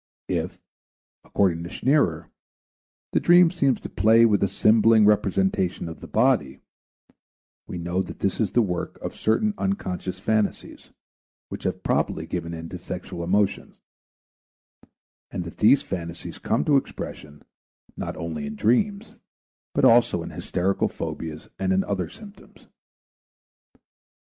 If, according to Scherner, the dream seems to play with a symboling representation of the body, we know that this is the work of certain unconscious phantasies which have probably given in to sexual emotions, and that these phantasies come to expression not only in dreams but also in hysterical phobias and in other symptoms.